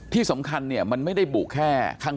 ที่สำคัญเนี่ยมันไม่ได้บุแค่ข้าง